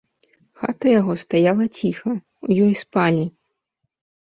Хата яго стаяла ціха, у ёй спалі.